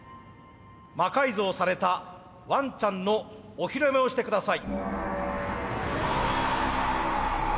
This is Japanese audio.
魔改造されたワンちゃんのお披露目をして下さい。